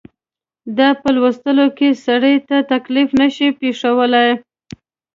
دا په لوستلو کې سړي ته تکلیف نه شي پېښولای.